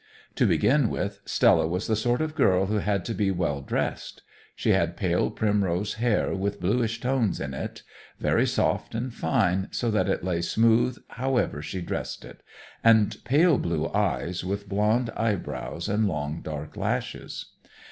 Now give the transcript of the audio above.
To begin with, Stella was the sort of girl who had to be well dressed. She had pale primrose hair, with bluish tones in it, very soft and fine, so that it lay smooth however she dressed it, and pale blue eyes, with blond eyebrows and long, dark lashes.